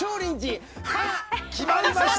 決まりました。